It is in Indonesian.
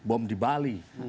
bom di bali